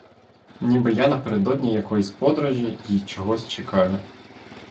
Ніби я напередодні якоїсь подорожі й чогось чекаю.